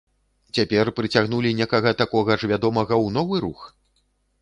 Цяпер прыцягнулі некага такога ж вядомага ў новы рух?